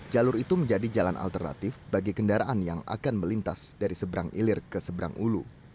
jalur itu menjadi jalan alternatif bagi kendaraan yang akan melintas dari seberang ilir ke seberang ulu